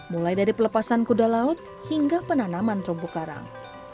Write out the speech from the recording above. mulai dari pelepasan kuda laut hingga penanaman terumbu karang